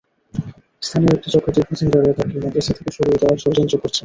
স্থানীয় একটি চক্র দীর্ঘদিন ধরে তাঁকে মাদ্রাসা থেকে সরিয়ে দেওয়ার ষড়যন্ত্র করছে।